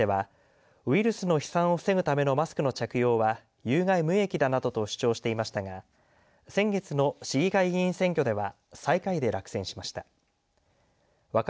裁判ではウイルスの飛散を防ぐためのマスクの着用は有害無益だなどと主張していましたが先月の市議会議員選挙では最下位で落選しました。